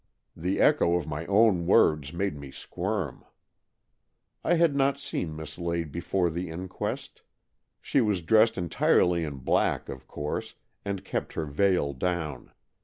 The echo of my own words made me squirm. I had not seen Miss Lade before the in quest. She was dressed entirely in black, of course, and kept her veil down.